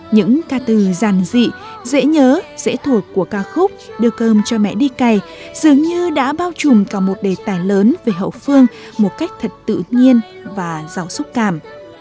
những ca từ giàn dị dễ nhớ dễ thuộc của ca khúc đưa cơm cho mẹ đi cày dường như đã bao trùm cả một đề tài lớn về hậu phương một cách thật tự nhiên và giàu xúc cảm